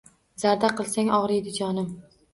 Zarda qilsang ogriydi jonim